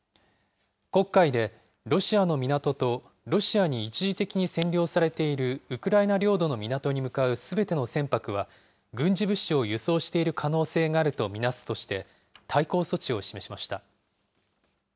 黒海でロシアの港とロシアに一時的に占領されているウクライナ領土の港に向かうすべての船舶は、軍事物資を輸送している可能性があると見なすとして、対抗措置を示しました。